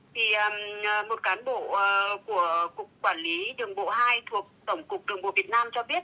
thì một cán bộ của cục quản lý đường bộ hai thuộc tổng cục đường bộ việt nam cho biết